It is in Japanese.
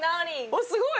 おっすごい！